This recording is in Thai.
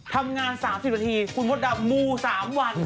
ทำงาน๓๐นาทีคุณมดดำมู๓วัน